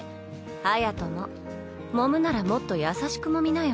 隼ももむならもっと優しくもみなよ。